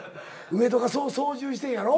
上戸がそう操縦してんやろ？